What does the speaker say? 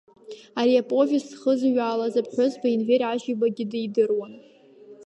Ари аповест зхызҩаалаз аԥҳәызба Енвер Ажьибагьы дидыруан.